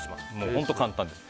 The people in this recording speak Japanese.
本当、簡単です。